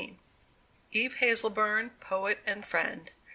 EVE HAZLEBURN, POET AND FRIEND.